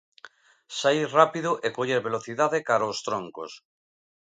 Saír rápido e coller velocidade cara aos troncos.